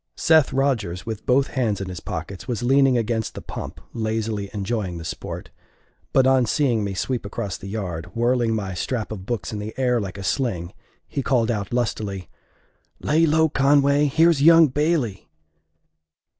Seth Rodgers, with both hands in his pockets, was leaning against the pump lazily enjoying the sport; but on seeing me sweep across the yard, whirling my strap of books in the air like a sling, he called out lustily, "Lay low, Conway! Here's young Bailey!"